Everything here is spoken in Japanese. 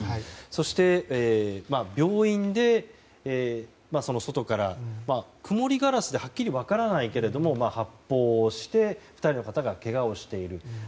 そして病院で外からくもりガラスではっきり分からないけども発砲して２人の方がけがをしている。